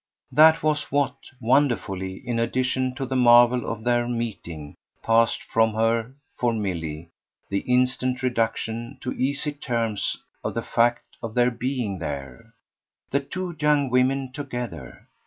That was what, wonderfully in addition to the marvel of their meeting passed from her for Milly; the instant reduction to easy terms of the fact of their being there, the two young women, together.